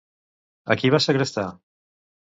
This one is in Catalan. A qui va segrestar?